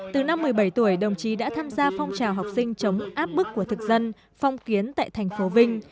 từ năm một mươi bảy tuổi đồng chí đã tham gia phong trào học sinh chống áp bức của thực dân phong kiến tại thành phố vinh